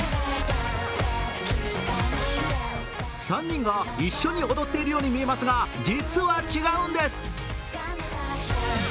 ３人が一緒に踊っているように見えますが実は、違うんです。